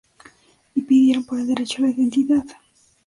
Y pidieron por el derecho a la identidad.